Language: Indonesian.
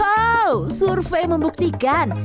wow survei membuktikan